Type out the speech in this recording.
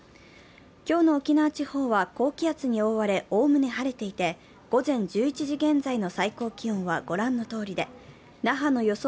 今日の奥菜補地方は高気圧に覆われおおむね晴れていて、午前１１時現在の最高気温はご覧のとおりで、那覇の予想